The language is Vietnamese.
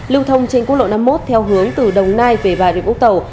lưu thông trên quốc lộ năm mươi một theo hướng từ đồng nai về bà rịa vũng tàu